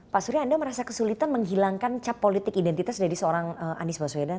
pak surya anda merasa kesulitan menghilangkan cap politik identitas dari seorang anies baswedan